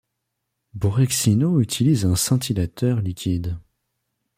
Borexino utilise un scintillateur liquide.